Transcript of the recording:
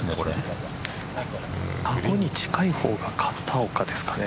あごに近い方が片岡ですかね。